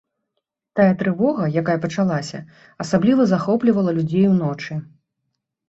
Тая трывога, якая пачалася, асабліва захоплівала людзей уночы.